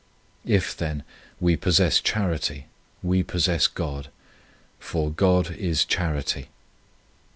If, then, we possess chanty we possess God, for " God is charity."